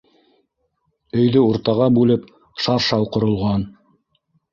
Өйҙө уртаға бүлеп, шаршау ҡоролған.